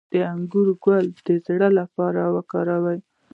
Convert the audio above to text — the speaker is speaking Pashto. د انګور ګل د زړه لپاره وکاروئ